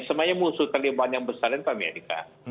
sebenarnya musuh taliban yang besar itu amerika